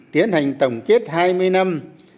tiến hành tổng kết hai mươi năm